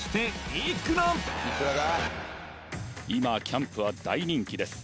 今キャンプは大人気です